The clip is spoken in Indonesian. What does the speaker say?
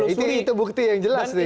itu bukti yang jelas